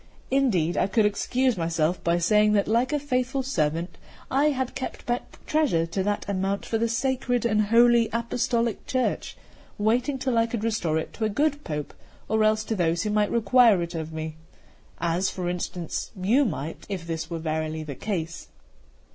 Indeed, I could excuse myself by saying that, like a faithful servant, I had kept back treasure to that amount for the sacred and Holy Apostolic Church, waiting till I could restore it to a good Pope, or else to those who might require it of me; as, for instance, you might, if this were verily the case."